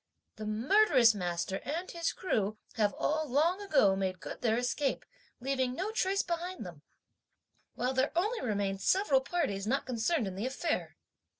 The murderous master and his crew have all long ago made good their escape, leaving no trace behind them, while there only remain several parties not concerned in the affair.